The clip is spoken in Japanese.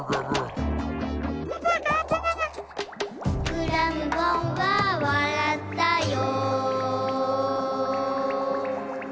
「クラムボンはわらったよ」